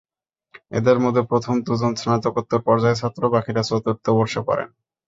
এঁদের মধ্যে প্রথম দুজন স্নাতকোত্তর পর্যায়ের ছাত্র, বাকিরা চতুর্থ বর্ষে পড়েন।